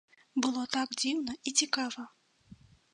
Было так дзіўна і цікава!